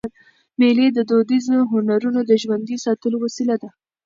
مېلې د دودیزو هنرونو د ژوندي ساتلو وسیله ده.